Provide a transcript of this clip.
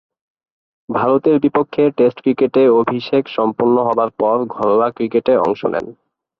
ভারতের বিপক্ষে টেস্ট ক্রিকেটে অভিষেক পর্ব সম্পন্ন হবার পর ঘরোয়া ক্রিকেটে অংশ নেন।